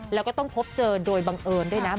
แล้วก็ต้องพบเจอโดยบังเอิญด้วยนะ